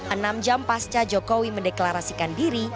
enam jam pasca jokowi mendeklarasikan diri